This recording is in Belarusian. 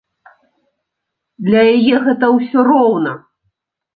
Для яе гэта ўсё роўна.